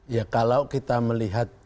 ya kalau kita melihat